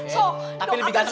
so doa aku singkuat